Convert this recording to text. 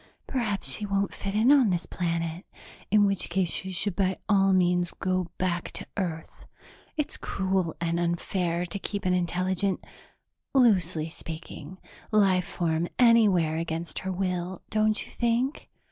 Perhaps she won't fit in on this planet, in which case she should by all means go back to Earth. It's cruel and unfair to keep an intelligent loosely speaking life form anywhere against her will, don't you think?"